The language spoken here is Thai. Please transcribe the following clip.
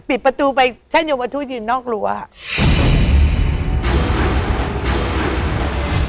ปิดประตูไปท่านยมทรูยืนนอกลัวอะ